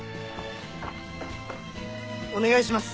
お願いします！